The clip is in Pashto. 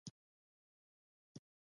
هغه د داسې مقدس ښار دیدن را نصیب کړی دی.